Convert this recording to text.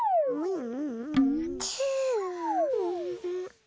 うん？